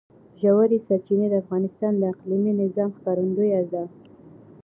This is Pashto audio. ژورې سرچینې د افغانستان د اقلیمي نظام ښکارندوی ده.